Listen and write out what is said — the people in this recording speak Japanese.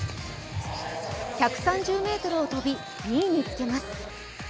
１３０ｍを飛び、２位につけます。